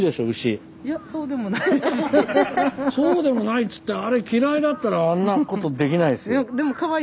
そうでもないっつってあれ嫌いだったらあんなことできないですよ。